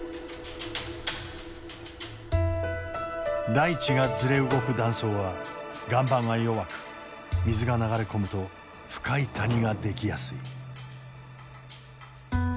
大地がズレ動く断層は岩盤が弱く水が流れ込むと深い谷が出来やすい。